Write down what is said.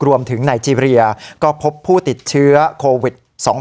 รวมถึงไนเจรียก็พบผู้ติดเชื้อโควิด๑๙